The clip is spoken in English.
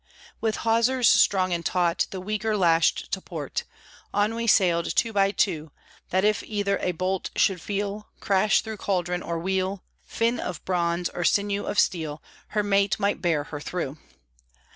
With hawsers strong and taut, The weaker lashed to port, On we sailed two by two That if either a bolt should feel Crash through caldron or wheel, Fin of bronze, or sinew of steel, Her mate might bear her through.